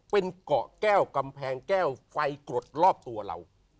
เป็นเกาะแก้วกำแพงแก้วไฟกรดรอบตัวเรา